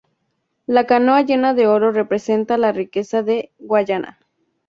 La canoa llena de oro representa la riqueza de Guayana.